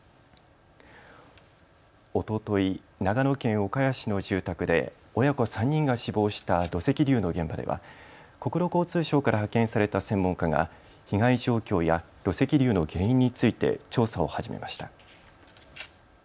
おととい、長野県岡谷市の住宅で親子３人が死亡した土石流の現場では国土交通省から派遣された専門家が被害状況や土石流の原因について調査を始めました。